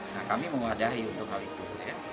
nah kami menguadahi untuk hal itu ya